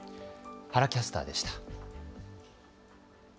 原キャスターでした。